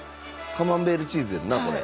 カマンベールチーズやんなこれ。